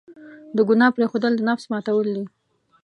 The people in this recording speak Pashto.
د ګناه پرېښودل، د نفس ماتول دي.